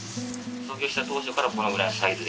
創業した当初からこのぐらいのサイズで？